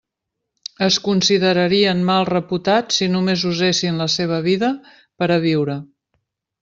Es considerarien mal reputats si només usessin la seva vida per a viure.